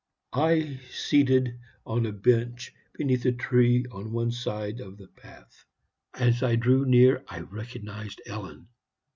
I seated on a bench beneath a tree on one side of the path. As I drew near I recognized Ellen.